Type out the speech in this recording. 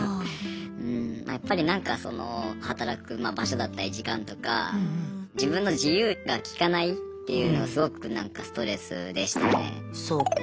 うんやっぱりなんかその働くまあ場所だったり時間とか自分の自由がきかないっていうのがすごくなんかストレスでしたね。